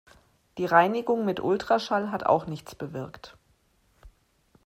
Die Reinigung mit Ultraschall hat auch nichts bewirkt.